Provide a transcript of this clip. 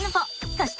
そして。